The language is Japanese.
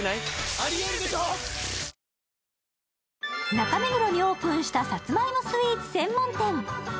中目黒にオープンしたさつまいもスイーツ専門店。